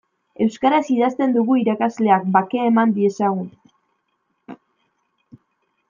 Euskaraz idazten dugu irakasleak bakea eman diezagun.